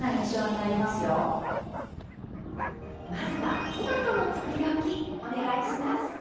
まずはトマトのつくりおきお願いします！